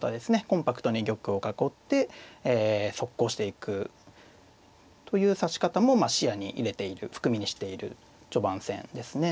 コンパクトに玉を囲って速攻していくという指し方も視野に入れている含みにしている序盤戦ですね。